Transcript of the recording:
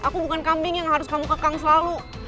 aku bukan kambing yang harus kamu kekang selalu